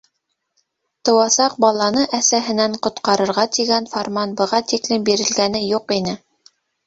Тыуасаҡ баланы әсәһенән ҡотҡарырға тигән фарман быға тиклем бирелгәне юҡ ине.